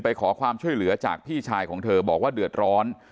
ขอความช่วยเหลือจากพี่ชายของเธอบอกว่าเดือดร้อน